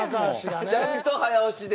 ちゃんと早押しで。